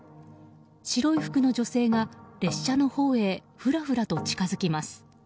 白い服の女性が、列車のほうへふらふらと近づきます。